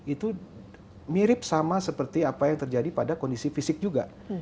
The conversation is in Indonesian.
itu mirip sama seperti apa yang terjadi pada kondisi fisik juga